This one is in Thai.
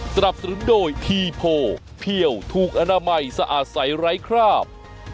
สนับสนุนโดยทีโพเพี่ยวถูกอนามัยสะอาดใสไร้คราบ